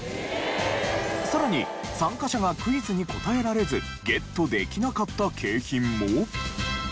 さらに参加者がクイズに答えられずゲットできなかった景品も。